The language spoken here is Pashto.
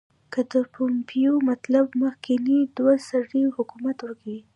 که د پومپیو مطلب مخکنی دوه سری حکومت وي.